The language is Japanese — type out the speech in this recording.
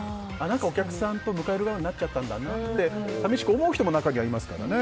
お客さんの間柄になっちゃったんだなって寂しく思う人も中にはいますからね。